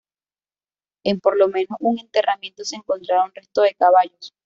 En por lo menos un enterramiento se encontraron restos de caballos.